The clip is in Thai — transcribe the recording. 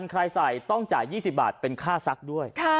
ใครใส่ต้องจ่าย๒๐บาทเป็นค่าซักด้วย